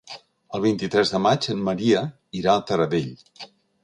El vint-i-tres de maig en Maria irà a Taradell.